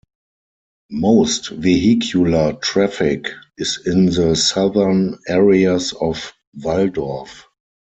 Most vehicular traffic is in the southern areas of Waldorf.